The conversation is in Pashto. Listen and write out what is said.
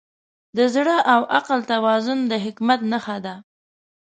د زړه او عقل توازن د حکمت نښه ده.